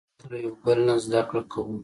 موږ له یو بل نه زدهکړه کوو.